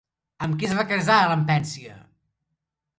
Amb qui es va casar Lampècia?